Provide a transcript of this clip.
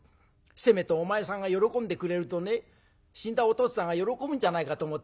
せめてお前さんが喜んでくれるとね死んだお父つぁんが喜ぶんじゃないかと思ってね